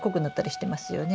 してますよね？